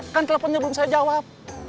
kan teleponnya belum saya jawab